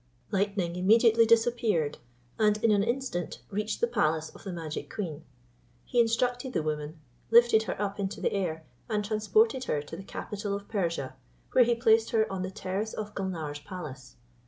Lightning immediately disappeared, and in an instant reached the palace of the magic queen. He instructed the woman, lifted her up into the air, and transported her to the capital of Persia, where he placed her on the terrace of Gulnare's palace.